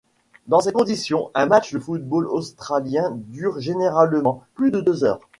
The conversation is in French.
Dans ces conditions, un match de football australien dure généralement plus de deux heures.